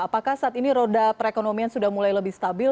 apakah saat ini roda perekonomian sudah mulai lebih stabil